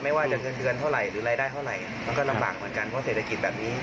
ไม่ว่าจะเงินเดือนเท่าไหร่หรือรายได้เท่าไหร่มันก็ลำบากเหมือนกันเพราะเศรษฐกิจแบบนี้